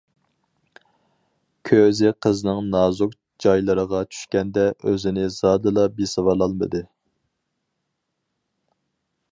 كۆزى قىزنىڭ نازۇك جايلىرىغا چۈشكەندە ئۆزىنى زادىلا بېسىۋالالمىدى.